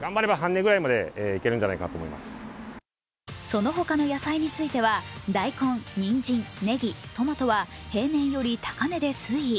その他の野菜については、大根、にんじん、ねぎ、トマトは平年より高値で推移。